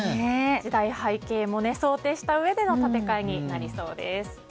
時代背景も想定したうえでの建て替えになりそうです。